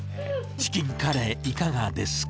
チキンカレー、いかがですか。